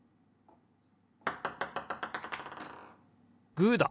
グーだ！